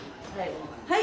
はい。